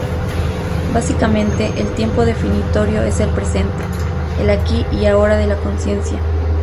Básicamente el tiempo definitorio es el presente, el aquí y ahora de la conciencia.